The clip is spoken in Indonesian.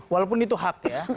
walaupun itu hak ya